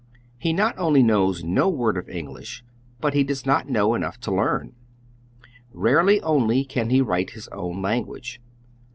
lie not only knows no word of English, but he does not know enough to learn. Rarely only can he write his own language.